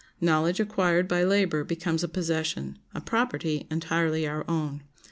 Knowledge acquired by labor becomes a possession—a property entirely our own.